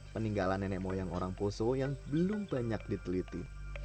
peninggalan nenek moyang orang poso yang belum banyak diteliti